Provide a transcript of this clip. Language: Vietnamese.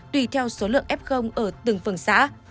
tùy theo số lượng f ở từng phường xã